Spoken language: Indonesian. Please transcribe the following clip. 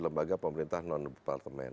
lembaga pemerintah non partemen